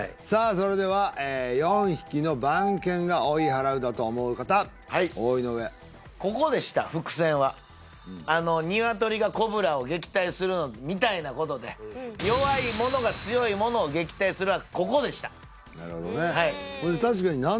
それでは４匹の番犬が追い払うだと思う方はいおお井上ニワトリがコブラを撃退するみたいなことで弱いものが強いものを撃退するはここでしたなるほどね